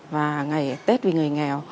và ngày tết vì người nghèo